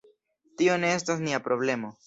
Tio ne estas nia problemo.